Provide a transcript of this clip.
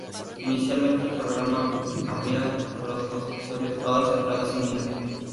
Inicialmente, el programa habría durado doce episodios, todas centradas en Mina.